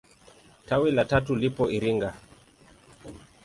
Tawi la tatu lipo Iringa.